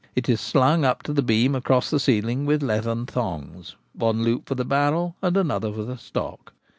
It is slung up to the beam across the ceiling with leathern thongs— one loop for the barrel and the other for the stock.